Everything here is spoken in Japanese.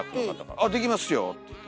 「あっできますよ」って言うて。